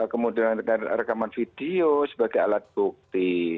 kemudian dengan rekaman video sebagai alat bukti